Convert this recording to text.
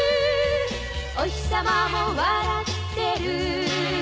「おひさまも笑ってる」